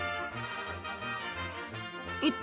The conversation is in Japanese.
一体